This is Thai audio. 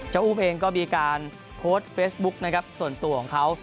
เจ้าอูบเองก็มีการโพสเฟสบุ๊คส่วนตัวของเขา